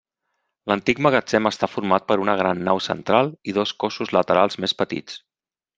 L'antic magatzem està format per una gran nau central i dos cossos laterals més petits.